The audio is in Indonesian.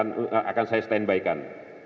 yang kedua akan saya stand by kan